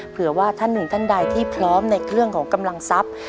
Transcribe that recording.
เผื่อว่าท่านหนึ่งท่านใดที่พร้อมในเรื่องของกำลังทรัพย์